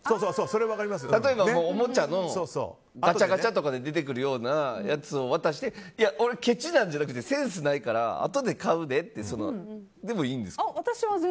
例えばおもちゃのガチャガチャで出てくるようなのを渡して、俺、ケチなんじゃなくてセンスがないから、あとで買うででもいいんですか？